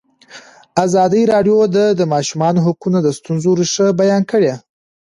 ازادي راډیو د د ماشومانو حقونه د ستونزو رېښه بیان کړې.